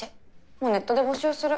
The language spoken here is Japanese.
もうネットで募集する。